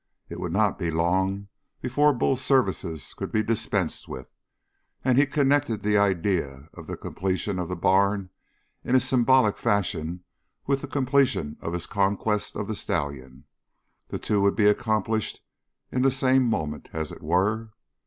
It would not be long before Bull's services could be dispensed with and he connected the idea of the completion of the barn in a symbolic fashion with the completion of his conquest of the stallion. The two would be accomplished in the same moment, as it were.